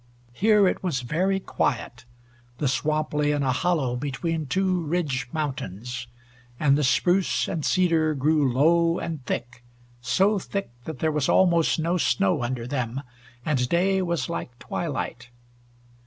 Here it was very quiet. The swamp lay in a hollow between two ridge mountains, and the spruce and cedar grew low and thick so thick that there was almost no snow under them, and day was like twilight.